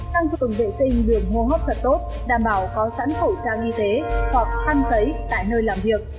căn thường vệ sinh vườn hô hốc thật tốt đảm bảo có sẵn khẩu trang y tế hoặc khăn tấy tại nơi làm việc